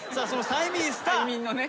催眠のね。